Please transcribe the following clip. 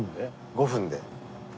５分で。